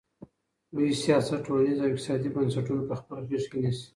لوی سياست ټولنيز او اقتصادي بنسټونه په خپله غېږ کې نيسي.